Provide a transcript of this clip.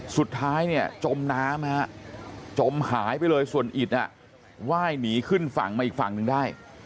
สุดท้ายเนี่ยจมน้ำจมหายไปเลยส่วนอิดไหว้หนีขึ้นฝั่งมาอีกฝั่งหนึ่งได้